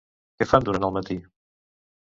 Què fan durant el matí?